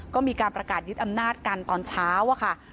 ก็มีการประกาศยึดอำนาจกันตอนเช้าอะค่ะ